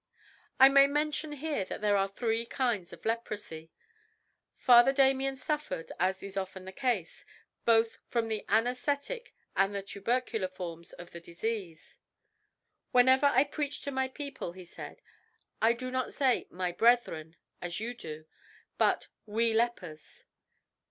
I may mention here that there are three kinds of leprosy. Father Damien suffered (as is often the case) both from the anaesthetic and the tubercular forms of the disease. "Whenever I preach to my people," he said, "I do not say 'my brethren,' as you do, but 'we lepers.'